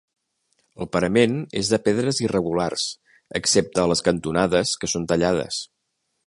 El parament és de pedres irregulars, excepte a les cantonades que són tallades.